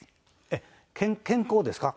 えっ健康ですか？